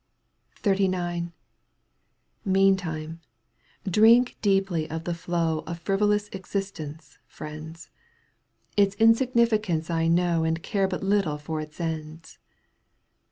Г XXXIX. Meantime, drink deeply of the flow Of frivolous existence, friends ; Its insignificance I know And care but little for its ends.